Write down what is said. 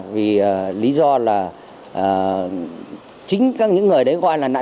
vì lý do là chính những người đấy coi là